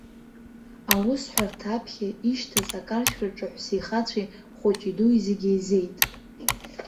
Аусҳәарҭа аԥхьа ишьҭаз акаршәраҿы ҳәсеи-хацәеи, хәыҷи-дуи зегьы еизеит.